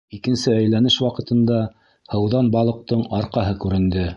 Икенсе әйләнеш ваҡытында һыуҙан балыҡтың арҡаһы күренде.